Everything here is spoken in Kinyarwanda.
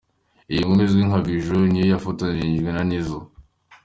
Iyi nkumi izwi nka Bijou ni yo yifotozanyije na Nizzo.